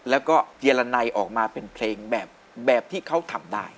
แล้วก็เจียรนัยออกมาเป็นเพลงแบบที่เขาทำได้